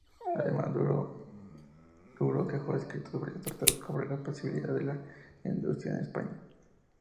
Además, Duro dejó escritos varios tratados sobre las posibilidades de la industria en España.